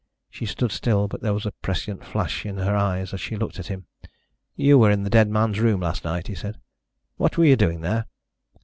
She stood still, but there was a prescient flash in her eyes as she looked at him. "You were in the dead man's room last night," he said. "What were you doing there?"